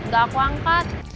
gak aku angkat